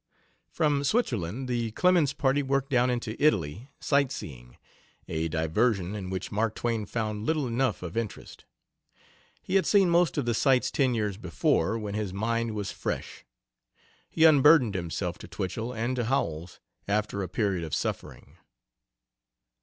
From Switzerland the Clemens party worked down into Italy, sight seeing, a diversion in which Mark Twain found little enough of interest. He had seen most of the sights ten years before, when his mind was fresh. He unburdened himself to Twichell and to Howells, after a period of suffering.